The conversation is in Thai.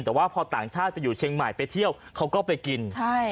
แต่ว่าพอต่างชาติไปอยู่เชียงใหม่ไปเที่ยวเขาก็ไปกินใช่